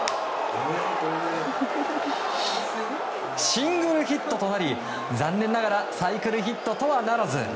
シングルヒットとなり残念ながらサイクルヒットとはならず。